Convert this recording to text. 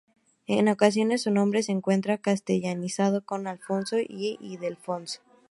En ocasiones su nombre se encuentra castellanizado como "Alfonso" o "Ildefonso".